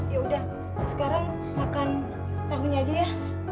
yaudah sekarang makan tahunya aja ya